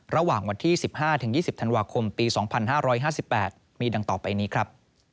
ระหว่างวันที่๑๕๒๐ธันวาคมปี๒๕๕๘มีดังต่อไปนี้ครับ